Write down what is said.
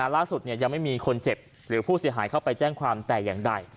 ล่าสุดยังไม่มีคนเจ็บหรือผู้เสียหายเข้าไปแจ้งความแต่อย่างใด